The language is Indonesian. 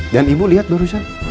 dan ibu lihat barusan